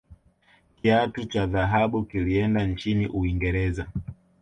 kiatu cha dhahabu kilienda nchini uingereza